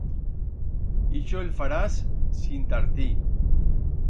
Ixo el farás sin tartir.